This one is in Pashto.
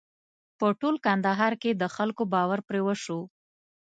په ټول کندهار کې د خلکو باور پرې وشو.